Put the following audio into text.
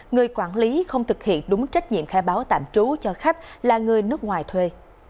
người quản lý không thực hiện đúng trách nhiệm khai báo tạm trú cho khách là người nước ngoài thuê